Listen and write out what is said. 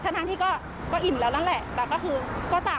ทั้งที่ก็อิ่มแล้วเนี่ย